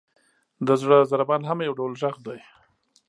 • د زړه ضربان هم یو ډول ږغ دی.